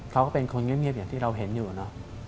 เขาก็เป็นคนเงียบอย่างที่เราเห็นอยู่เนอะ